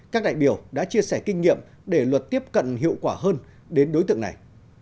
các đại biểu đã chia sẻ kinh nghiệm để luật tiếp cận hiệu quả hơn đến đối tượng này